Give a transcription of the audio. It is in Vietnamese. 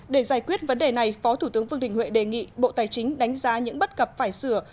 để giải quyết vấn đề này phó thủ tướng vương đình huệ đề nghị bộ tài chính đánh giá những bất cập phải sửa